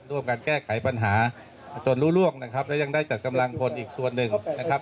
ร่วมกันแก้ไขปัญหาจนรู้ร่วงนะครับและยังได้จัดกำลังพลอีกส่วนหนึ่งนะครับ